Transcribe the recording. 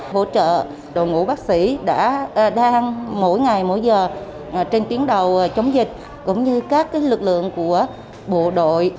hỗ trợ đội ngũ bác sĩ đã đang mỗi ngày mỗi giờ trên tiếng đầu chống dịch cũng như các lực lượng của bộ đội